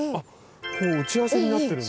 こう打ち合わせになってるんだ。